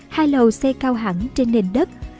hai lầu xây cao hẳn trên nền đất